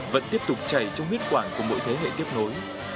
vẫn tiếp tục chảy trong huyết quản của mỗi thế hệ tiếp nối